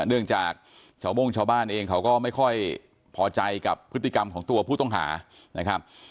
เนื่องจากชาวโม่งชาวบ้านเองเขาก็ไม่ค่อยพอใจกับพฤติกรรมของตัวผู้ต้องหานะครับ